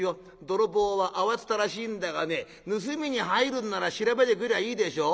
泥棒は慌てたらしいんだがね盗みに入るんなら調べてくりゃいいでしょ？